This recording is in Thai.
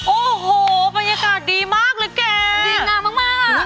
โอ้โหบรรยากาศดีมากเลยแก